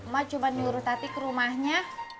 mak cuma nyuruh tati ke rumahnya